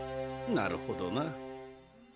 なるほどな。